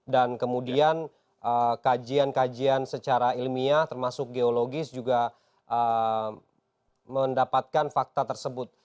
dan kemudian kajian kajian secara ilmiah termasuk geologis juga mendapatkan fakta tersebut